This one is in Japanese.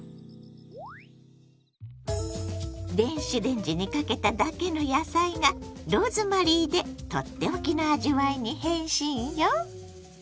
電子レンジにかけただけの野菜がローズマリーでとっておきの味わいに変身よ。